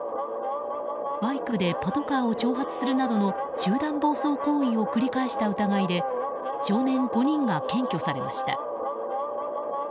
バイクでパトカーを挑発するなどの集団暴走行為を繰り返した疑いで少年５人が検挙されました。